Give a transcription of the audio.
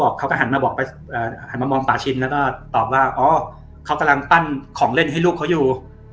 เขาก็หันมาบอกหันมามองป่าชินแล้วก็ตอบว่าอ๋อเขากำลังปั้นของเล่นให้ลูกเขาอยู่